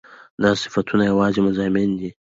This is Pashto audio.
دا صفتونه يواځې مضامين دي